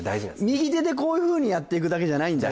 右手でこういうふうにやっていくだけじゃないんだ